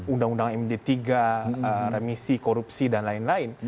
undang undang md tiga remisi korupsi dan lain lain